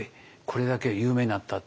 これだけ有名になった」。